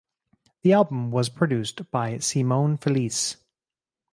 The album was produced by Simone Felice.